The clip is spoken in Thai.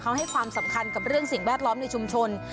เขาให้ความสำคัญกับเรื่องสิ่งแวดล้อมในชุมชน